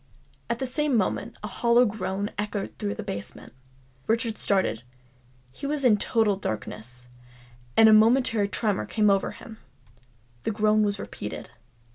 At the same moment a hollow groan echoed through the basement. Richard started: he was in total darkness—and a momentary tremor came over him. The groan was repeated.